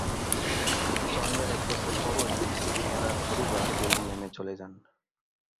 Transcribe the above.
জন্মের একবছর পরই পিনেরা’র পরিবার বেলজিয়ামে চলে যান।